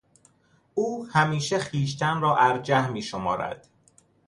او همیشه خویشتن را ارجح میشمارد.